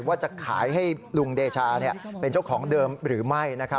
ว่าจะขายให้ลุงเดชาเป็นเจ้าของเดิมหรือไม่นะครับ